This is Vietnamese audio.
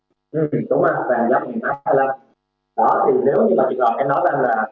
đó thì nếu như là dịch vọng em nói ra là